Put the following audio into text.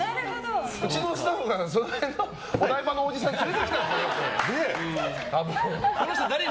うちのスタッフがその辺のお台場のおじさん連れてきたんでしょ？